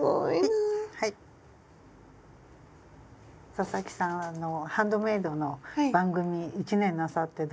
佐々木さんはハンドメイドの番組１年なさってどうですか？